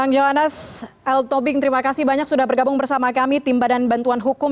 bang johannes l tobing terima kasih banyak sudah bergabung bersama kami tim badan bantuan hukum